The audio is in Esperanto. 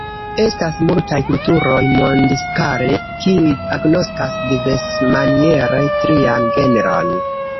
Estas multaj kulturoj mondskale, kiuj agnoskas diversmaniere ‘trian genron’.